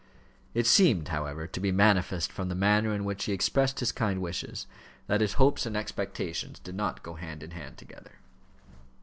It seemed, however, to be manifest from the manner in which he expressed his kind wishes, that his hopes and expectations did not go hand in hand together.